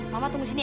mama tunggu sini ya